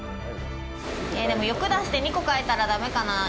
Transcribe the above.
でも、欲出して２個書いたらダメかなぁ。